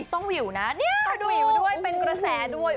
วิวนะเนี่ยดูหิวด้วยเป็นกระแสด้วย